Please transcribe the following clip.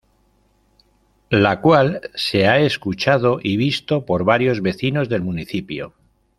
La cual se ha escuchado y visto por varios vecinos del municipio.